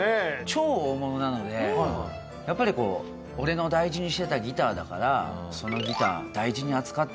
超大物なのでやっぱり「俺の大事にしてたギターだからそのギター大事に扱ってくれないか」。